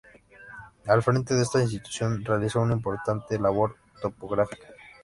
Al frente de esta institución realizó una importante labor topográfica.